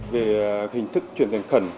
về hình thức chuyển tiền khẩn